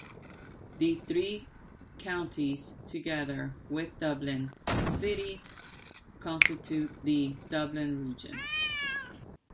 The three counties together with Dublin city constitute the Dublin Region.